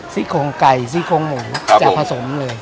ซี่โครงไก่ซี่โครงหมูจะผสมเลย